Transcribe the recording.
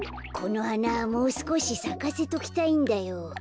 このはなもうすこしさかせときたいんだよ。